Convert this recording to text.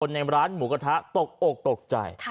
ในร้านหมูกระทะตกอกตกใจ